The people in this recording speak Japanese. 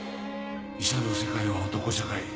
医者の世界は男社会。